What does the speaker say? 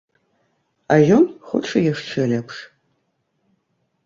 А ён хоча яшчэ лепш.